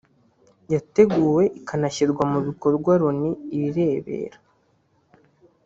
yateguwe ikanashyirwa mu bikorwa Loni irebera